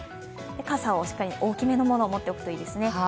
傘は、しっかり大きめのものを持っておくといいですね。